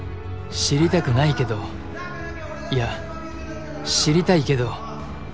知りたくないけどいや知りたいけど。